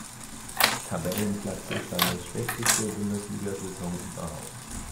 Tabellenplatzes seine schlechteste Bundesligasaison überhaupt.